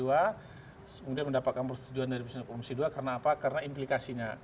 kemudian mendapatkan persetujuan dari komisi dua karena apa karena implikasinya